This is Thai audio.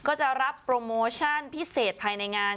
ก็จะรับโปรโมชั่นพิเศษภายในงาน